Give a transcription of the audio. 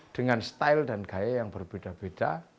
dengan style dan gaya yang berbeda beda